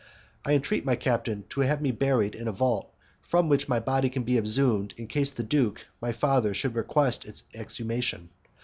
I entreat my captain to have me buried in a vault from which my body can be exhumed in case the duke, my father, should request its exhumation.